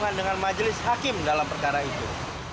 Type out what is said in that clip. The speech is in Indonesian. dengan majelis hakim dalam perkara itu